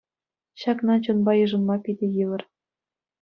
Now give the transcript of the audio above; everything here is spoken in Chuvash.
Ҫакна чунпа йышӑнма питӗ йывӑр.